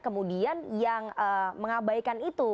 kemudian yang mengabaikan itu